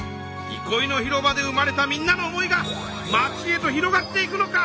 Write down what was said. いこいの広場で生まれたみんなの思いが町へと広がっていくのか！